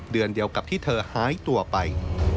เดือนเดียวกับที่เธอหายตัวไป